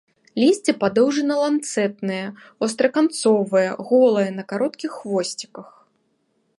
Лісце падоўжана-ланцэтнае, востраканцовае, голае, на кароткіх хвосціках.